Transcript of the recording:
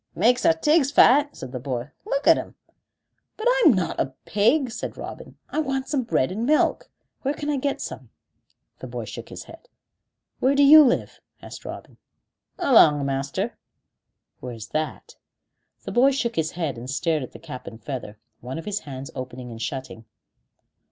"Makes our tigs fat," said the boy; "look at 'em." "But I'm not a pig," said Robin. "I want some bread and milk. Where can I get some?" The boy shook his head. "Where do you live?" asked Robin. "Along o' master." "Where's that?" The boy shook his head and stared at the cap and feather, one of his hands opening and shutting.